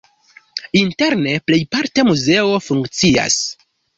Interne plejparte muzeo funkcias.